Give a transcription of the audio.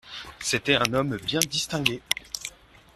C’était un homme bien distingué.